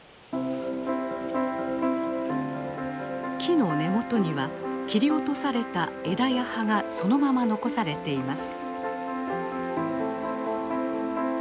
木の根元には切り落とされた枝や葉がそのまま残されています。